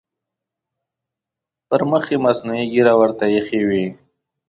پر مخ یې مصنوعي ږیره ورته اېښې وي.